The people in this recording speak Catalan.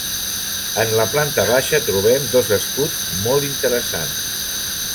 En la planta baixa trobem dos escuts molt interessants.